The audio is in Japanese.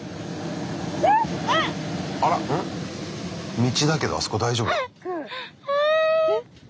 あら道だけどあそこ大丈夫？